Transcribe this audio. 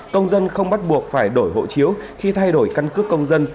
công dân không bắt buộc phải đổi hộ chiếu khi thay đổi căn cước công dân